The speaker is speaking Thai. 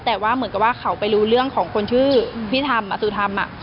แต่ว่าเหมือนกับว่าเขาไปรู้เรื่องของคนชื่อพี่ธรรมอสุธรรม